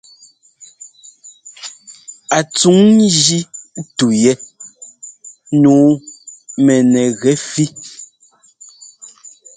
A tsuŋ ńjí tu yɛ. Nǔu mɛnɛgɛfí.